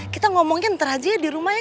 kita ngomongnya ntar aja ya di rumah ya